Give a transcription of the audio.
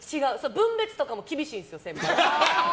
分別とかも厳しいんですよ、先輩。